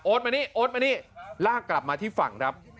มานี่โอ๊ตมานี่ลากกลับมาที่ฝั่งครับ